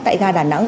tại ga đà nẵng